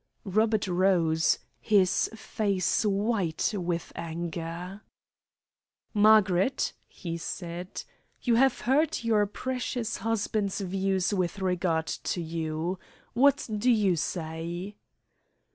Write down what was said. Robert rose, his face white with anger. "Margaret," he said, "you have heard your precious husband's views with regard to you. What do you say?"